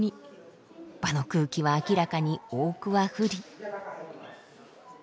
場の空気は明らかに大桑不利。